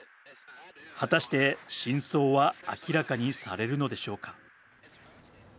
果たして真相は明らかにされるのでしょうか。